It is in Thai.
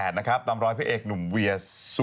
ตามร้อยพระเอกหนุ่มเวียสุ